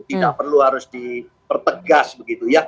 tidak perlu harus dipertegas begitu ya